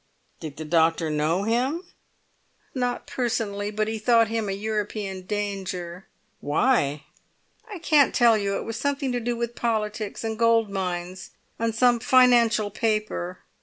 "Did the doctor know him?" "Not personally; but he thought him a European danger." "Why?" "I can't tell you. It was something to do with politics and gold mines, and some financial paper.